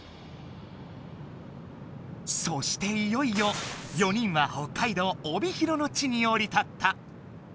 そしていよいよ４人は北海道帯広の地におり立った。